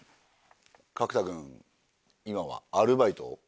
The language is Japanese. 角田君今はアルバイト？